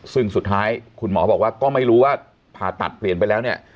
ซึ่งสุดท้ายคุณหมอบอกว่าก็ไม่รู้ว่าผ่าตัดเปลี่ยนไปแล้วเนี่ย